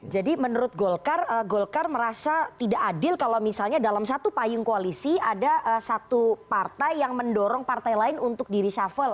jadi menurut golkar golkar merasa tidak adil kalau misalnya dalam satu payung koalisi ada satu partai yang mendorong partai lain untuk di reshuffle